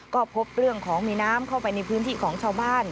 ก็พบเรื่องของมีน้ำเข้าไปในพื้นที่ของชาวบ้าน